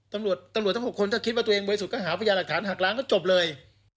ตำรวจตำรวจทั้ง๖คนถ้าคิดว่าตัวเองบริสุทธิก็หาพยาหลักฐานหักล้างก็จบเลย